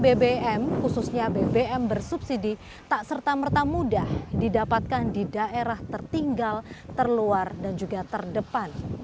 bbm khususnya bbm bersubsidi tak serta merta mudah didapatkan di daerah tertinggal terluar dan juga terdepan